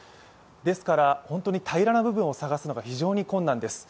ですから本当に平らな部分を探すのに非常に困難です。